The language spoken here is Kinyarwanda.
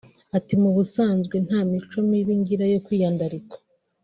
Ati “Mu busanzwe nta mico mibi ngira yo kwiyandarika